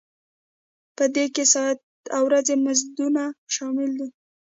په دې کې ساعتي او ورځني مزدونه شامل دي